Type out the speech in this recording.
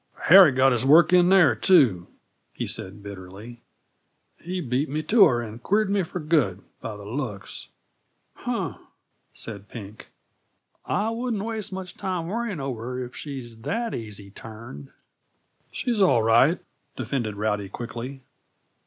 "Harry got his work in there, too," he said bitterly. "He beat me to her and queered me for good, by the looks." "Huh!" said Pink. "I wouldn't waste much time worrying over her, if she's that easy turned." "She's all right," defended Rowdy quickly.